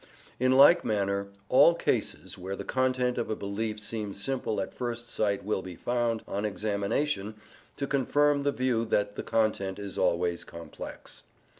In like manner all cases where the content of a belief seems simple at first sight will be found, on examination, to confirm the view that the content is always complex.